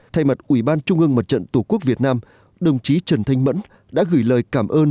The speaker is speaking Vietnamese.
thay mặt ubnd mặt trận tổ quốc việt nam đồng chí trần thanh mẫn đã gửi lời cảm ơn